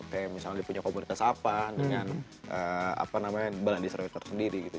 kayak misalnya dia punya komunitas apa dengan apa namanya baladis reuters sendiri gitu